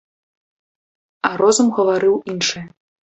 А розум гаварыў іншае.